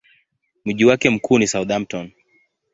Mji wake mkuu ni Southampton.